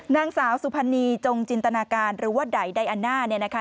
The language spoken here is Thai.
นางสาวสุภัณฑ์นีจงจินตนาการหรือว่าดัยไดอาน่าเนี่ยนะคะ